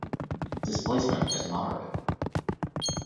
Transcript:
Displacement is moderate.